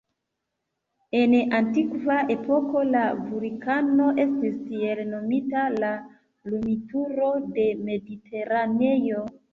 En antikva epoko, la vulkano estis tiel nomita "la lumturo de Mediteraneo".